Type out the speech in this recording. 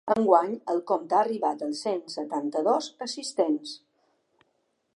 Enguany el compte ha arribat als cent setanta-dos assistents.